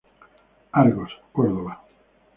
Argos, Córdoba.